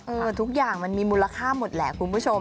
ทุกอย่างมันมีมูลค่าหมดแหละคุณผู้ชม